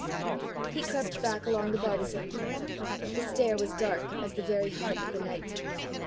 He crept back along the bartizan. The stair was dark as the very heart of the night.